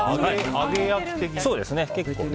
揚げ焼き的な。